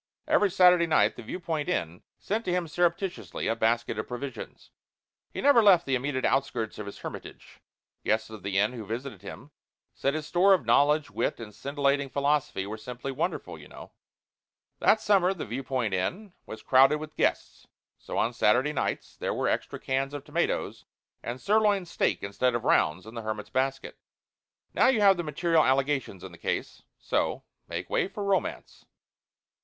Every Saturday night the Viewpoint Inn sent to him surreptitiously a basket of provisions. He never left the immediate outskirts of his hermitage. Guests of the inn who visited him said his store of knowledge, wit, and scintillating philosophy were simply wonderful, you know. That summer the Viewpoint Inn was crowded with guests. So, on Saturday nights, there were extra cans of tomatoes, and sirloin steak, instead of "rounds," in the hermit's basket. Now you have the material allegations in the case. So, make way for Romance.